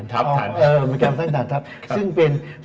ถันทัพ